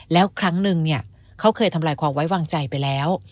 แล้วครั้งนึงเขาเคยทำลายความไว้วางใจไปแล้ว